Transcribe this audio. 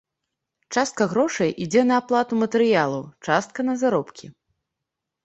Частка грошай ідзе на аплату матэрыялаў, частка на заробкі.